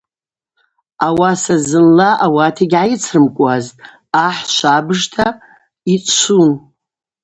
Ауаса зынла ауат йгьгӏайыцрымкӏуазтӏ: ахӏ швабыжта йчвшвун.